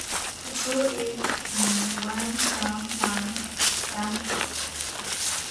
The school is in Wang Thong Lang, Bangkok.